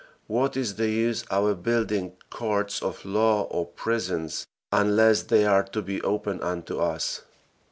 What is the use our building courts of law or prisons unless they are to be open unto us.